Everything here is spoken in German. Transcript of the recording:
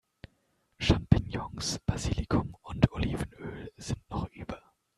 Champignons, Basilikum und Olivenöl sind noch über.